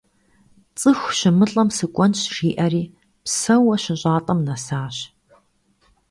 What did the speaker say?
Цӏыху щымылӏэм сыкӏуэнщ жиӏэри, псэууэ щыщӏатӏэм нэсащ.